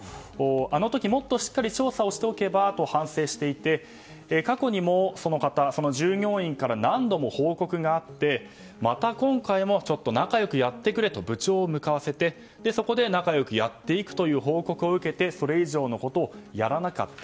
あの時、もっとしっかり調査をしておけばと反省していて過去にも、その従業員から何度も報告があってまた今回も仲良くやってくれと部長を向かわせてそこで仲良くやっていくという報告を受けてそれ以上のことをやらなかった。